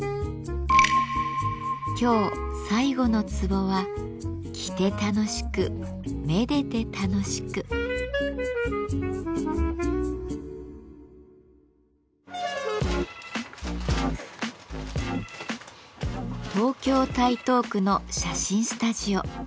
今日最後のツボは東京・台東区の写真スタジオ。